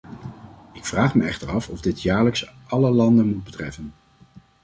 Ik vraag me echter af of dit jaarlijks alle landen moet betreffen.